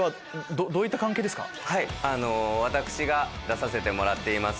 私が出させてもらっています